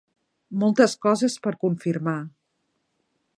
Moltes coses per confirmar.